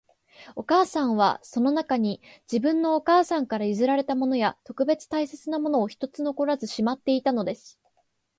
お母さんは、その中に、自分のお母さんから譲られたものや、特別大切なものを一つ残らずしまっていたのです